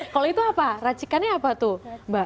kalau itu apa racikannya apa tuh mbak